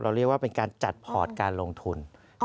เรียกว่าเป็นการจัดพอร์ตการลงทุน